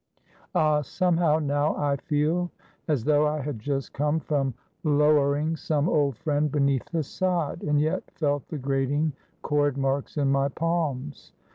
Ah, somehow, now, I feel as though I had just come from lowering some old friend beneath the sod, and yet felt the grating cord marks in my palms.